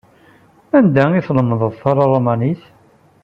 Anda i tlemdeḍ talmanit?